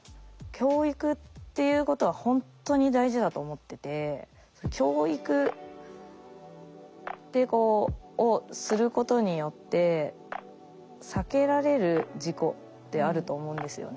教育っていうことはほんとに大事だと思ってて教育をすることによって避けられる事故ってあると思うんですよね。